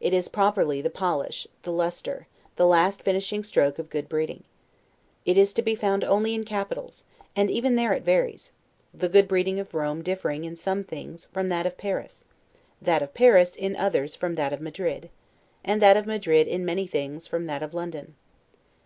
It is, properly, the polish, the lustre, the last finishing stroke of good breeding. It is to be found only in capitals, and even there it varies; the good breeding of Rome differing, in some things, from that of Paris; that of Paris, in others, from that of Madrid; and that of Madrid, in many things, from that of London.